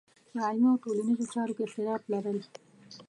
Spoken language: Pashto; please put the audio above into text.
په علمي او ټولنیزو چارو کې اختلاف لرل.